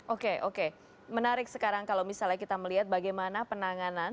oke oke menarik sekarang kalau misalnya kita melihat bagaimana penanganan